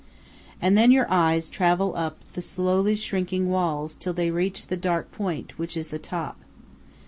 And then your eyes travel up the slowly shrinking walls till they reach the dark point which is the top.